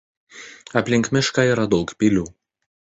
Aplink mišką yra daug pilių.